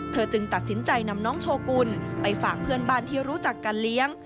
จึงตัดสินใจนำน้องโชกุลไปฝากเพื่อนบ้านที่รู้จักการเลี้ยง